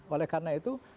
oleh karena itu